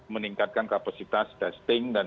meningkatkan kapasitas testing dan